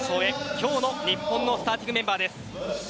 今日の日本のスターティングメンバーです。